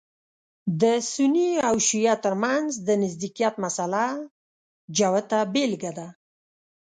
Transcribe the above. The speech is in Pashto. د سني او شعیه تر منځ د نزدېکت مسأله جوته بېلګه ده.